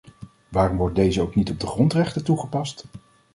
Waarom wordt deze ook niet op de grondrechten toegepast?